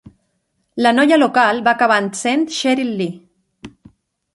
La noia local va acabar sent Sheryl Lee.